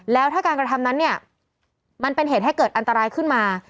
แล้วถ้าการกระทำนั้นเนี่ยมันเป็นเหตุให้เกิดอันตรายขึ้นมา